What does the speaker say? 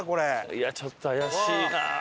いやちょっと怪しいな。